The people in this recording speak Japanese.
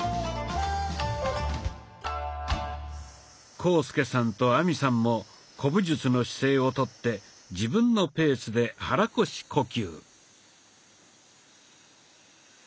浩介さんと亜美さんも古武術の姿勢をとって自分のペースで肚腰呼吸。